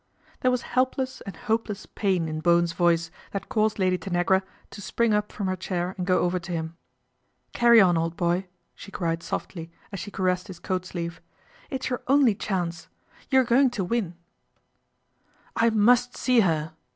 There was helpless and hopeless pain in Bowen's voice that caused Lady Tanagra to spring up from her chair and go over to him. " Carry on, old boy," she cried softly, as she caressed his coat sleeve. " It's your only chance. You're going to win." " I must see her